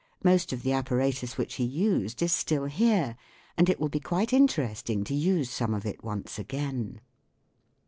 Most of the apparatus which he used is still here, and it will be quite interesting to use some of it once again.